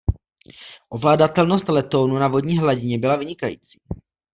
Ovladatelnost letounu na vodní hladině byla vynikající.